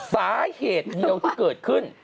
สาเหตุเดียวที่เกิดขึ้น